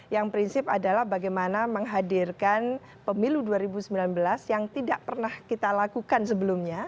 yang prinsip adalah bagaimana menghadirkan pemilu dua ribu sembilan belas yang tidak pernah kita lakukan sebelumnya